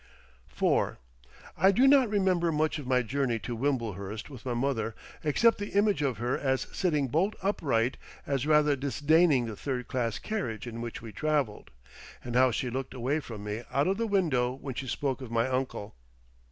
IV I do not remember much of my journey to Wimblehurst with my mother except the image of her as sitting bolt upright, as rather disdaining the third class carriage in which we traveled, and how she looked away from me out of the window when she spoke of my uncle.